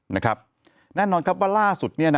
แน่นอนครับว่าล่าสุด